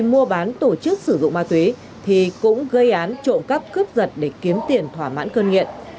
mua bán tổ chức sử dụng ma túy thì cũng gây án trộm cắp cướp giật để kiếm tiền thỏa mãn cơn nghiện